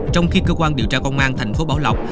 trong khi cơ quan điều tra công an thành phố bảo lộc